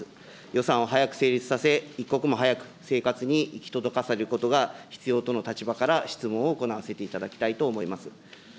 予算を早く成立させ、一刻も早く生活に行き届かせることが必要との立場から、質問を行わせていただきたいと思います。